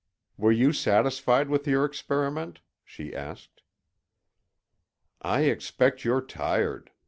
"Were you satisfied with your experiment?" she asked. "I expect you're tired.